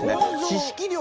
知識量が。